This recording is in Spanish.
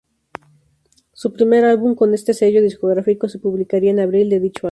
Su primer álbum con este sello discográfico se publicaría en abril de dicho año.